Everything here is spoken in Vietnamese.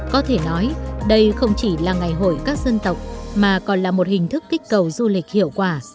có thể nói đây không chỉ là ngày hội các dân tộc mà còn là một hình thức kích cầu du lịch hiệu quả